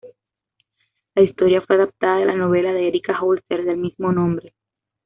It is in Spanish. La historia fue adaptada de la novela de Erika Holzer del mismo nombre.